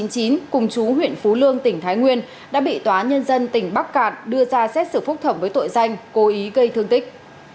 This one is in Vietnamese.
cùng chú huyện phú lương tỉnh thái nguyên đã bị tòa nhân dân tỉnh bắc cạn đưa ra xét xử phúc thẩm với tội danh cố ý gây thương tích